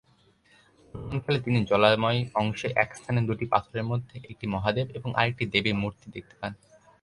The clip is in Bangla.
ভ্রমণকালে তিনি জলাময় অংশে এক স্থানে দুটি পাথরের মধ্যে একটি মহাদেব এবং আরেকটি দেবীর মূর্তি দেখতে পান।